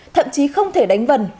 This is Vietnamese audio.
thậm chí không thể đánh vần